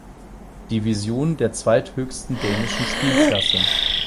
Division, der zweithöchsten dänischen Spielklasse.